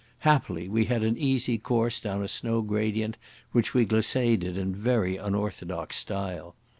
Happily we had an easy course down a snow gradient, which we glissaded in very unorthodox style.